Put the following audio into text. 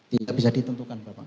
tidak bisa ditentukan bapak